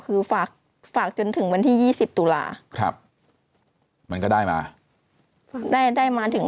คือฝากจนถึงวันที่๒๐ตุลาครับมันก็ได้มาได้ได้มาถึง